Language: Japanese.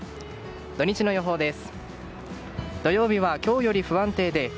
土日の予報です。